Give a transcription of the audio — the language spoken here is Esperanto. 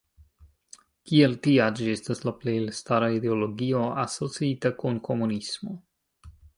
Kiel tia, ĝi estas la plej elstara ideologio asociita kun komunismo.